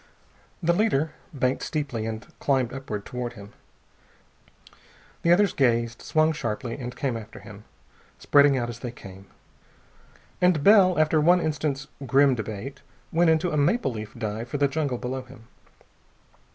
The leader banked steeply and climbed upward toward him. The others gazed, swung sharply, and came after him, spreading out as they came. And Bell, after one instant's grim debate, went into a maple leaf dive for the jungle below him.